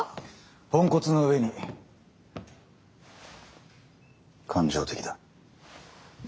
ポンコツの上に感情的だ。